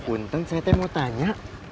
untung saya mau tanya